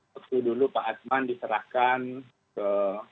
waktu dulu pak atman diserahkan ke